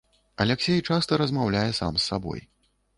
Аляксей часта размаўляе сам з сабой.